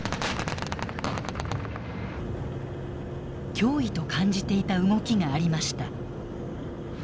脅威と感じていた動きがありました。